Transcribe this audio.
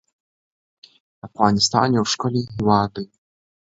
افغانستان يو ښکلی هېواد دی